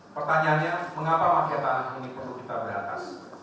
pertanyaannya mengapa mangketa ini perlu kita berantas